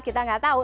kita nggak tahu